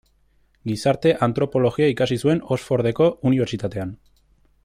Gizarte-antropologia ikasi zuen Oxfordeko Unibertsitatean.